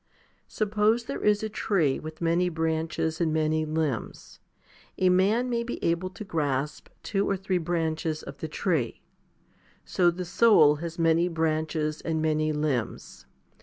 Suppose there is a tree with many branches and many limbs. A man may be able to grasp two or three branches of the tree. So the soul has many branches and many limbs.